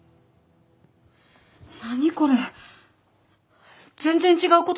何これ。